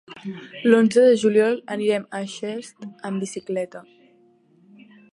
L'onze de juliol anirem a Xest amb bicicleta.